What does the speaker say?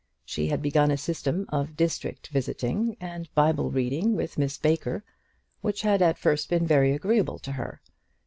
She had begun a system of district visiting and Bible reading with Miss Baker, which had at first been very agreeable to her.